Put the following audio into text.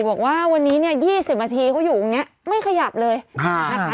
บอกว่าวันนี้เนี่ย๒๐นาทีเขาอยู่อย่างนี้ไม่ขยับเลยนะคะ